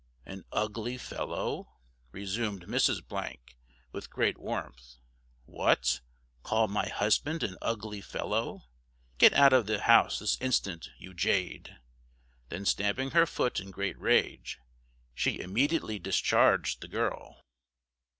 "An ugly fellow! resumed Mrs , with great warmth, what, call my husband an ugly fellow? Get out of the house this instant, you jade," then stamping her foot in great rage, she immediately discharged the girl.